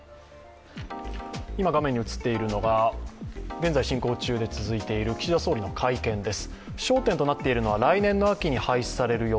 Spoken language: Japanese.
今、画面に映っているのが、現在進行中で続いている岸田総理の会見です。